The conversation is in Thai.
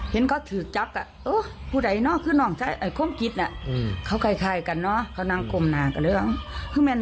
ถึงมันจงจับไปเหมือนผักของล่ะใจเปลี่ยนให้แต่เราเลย